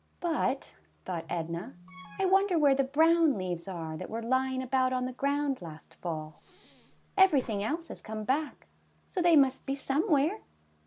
'^But," thought Edna, wonder where the brown leaves are that were lying about on the ground last fall. Everything else has come back, so they must be somewhere."